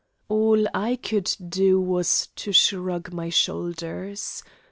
All I could do was to shrug my shoulders.